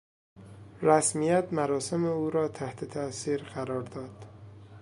رسمیت مراسم او را تحت تاثیر قرار داد.